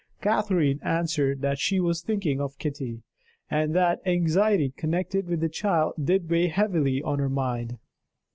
Catherine answered that she was thinking of Kitty, and that anxiety connected with the child did weigh heavily on her mind.